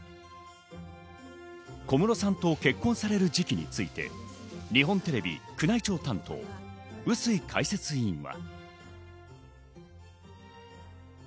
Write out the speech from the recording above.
小室さんと結婚される時期について日本テレビ宮内庁担当、笛吹解説委員は。